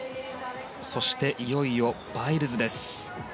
そしていよいよバイルズです。